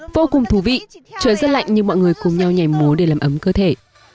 vô cùng thú vị trời rất lạnh nhưng mọi người cùng nhau nhảy múa để làm ấm cơ thể